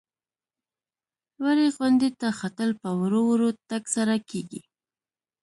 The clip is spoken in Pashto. لوړې غونډۍ ته ختل په ورو ورو تګ سره کېږي.